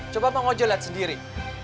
coba bang ojo liat sendiri